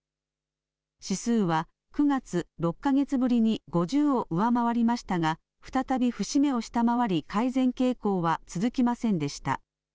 指数は９月、６か月ぶりに５０を上回りましたが再び節目を下回り改善傾向は続きませんでした。